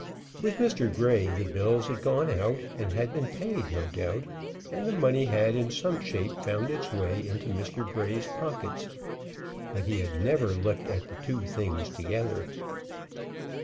With Mr. Grey the bills had gone out and had been paid, no doubt, and the money had in some shape found its way into Mr. Grey's pockets. But he had never looked at the two things together.